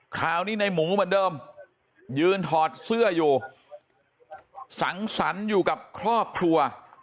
คราวนี้ในหมูเหมือนเดิมยืนถอดเสื้ออยู่สังสรรค์อยู่กับครอบครัว